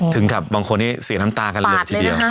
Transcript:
ถึงกับบางคนนี้เสียน้ำตากันเลยทีเดียว